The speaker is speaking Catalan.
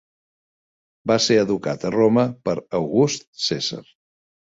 Va ser educat a Roma per August Cèsar.